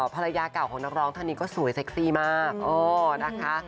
ภรรยาเก่าของนักร้องท่านนี้ก็สวยเซ็กซี่มากนะคะ